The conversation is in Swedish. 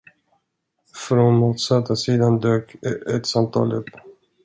Från motsatta sidan dök ett samtal upp.